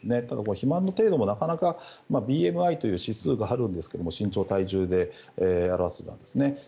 ただ肥満の程度もなかなかＢＭＩという指数があるんですが身長、体重で表すものがですね。